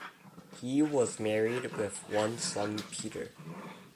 He was married with one son Peter.